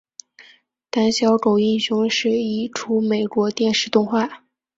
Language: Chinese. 胆小狗英雄是一出美国电视动画。